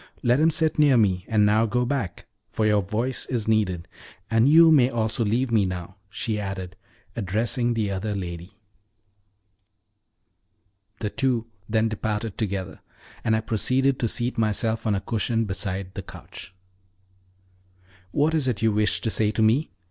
"Let him sit near me; and now go back, for your voice is needed. And you may also leave me now," she added, addressing the other lady. The two then departed together, and I proceeded to seat myself on a cushion beside the couch. "What is it you wish to say to me?"